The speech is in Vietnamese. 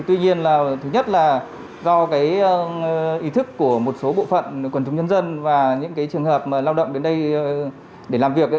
tuy nhiên là thứ nhất là do ý thức của một số bộ phận quần chúng nhân dân và những trường hợp lao động đến đây để làm việc